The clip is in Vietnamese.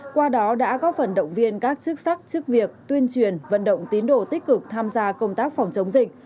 qua đó đã góp phần động viên các chức sắc chức việc tuyên truyền vận động tín đồ tích cực tham gia công tác phòng chống dịch